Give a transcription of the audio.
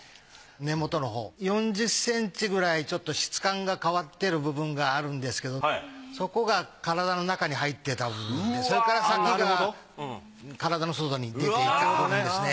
根元のほう４０センチくらいちょっと質感が変わっている部分があるんですけどそこが体の中に入ってた部分でそれから先が体の外に出ていた部分ですね。